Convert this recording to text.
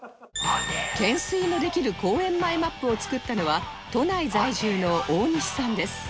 懸垂のできる公園マイマップを作ったのは都内在住の大西さんです